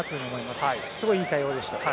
すごい良い対応でした。